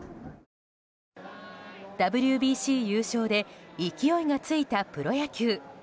ＷＢＣ優勝で勢いがついたプロ野球。